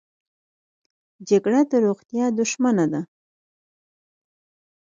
جګړه د روغتیا دښمنه ده